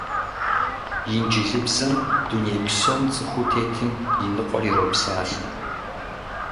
Инджылызыбзэм дуней псом цӀыхуу тетым и ныкъуэр иропсалъэ!